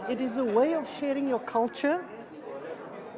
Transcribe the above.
ini adalah cara untuk berbagi kultur anda